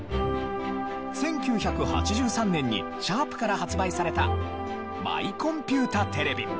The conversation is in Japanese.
１９８３年にシャープから発売されたマイコンピュータテレビ。